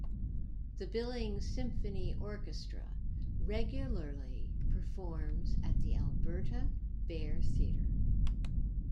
The Billings Symphony Orchestra regularly performs at the Alberta Bair Theater.